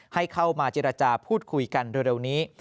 ให้เข้ามาเจรจาพูดคุยกันเร็วนี้